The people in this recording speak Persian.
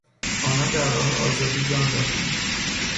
آنان در راه آزادی جان دادند.